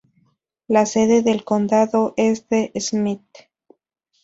La sede del condado es De Smet.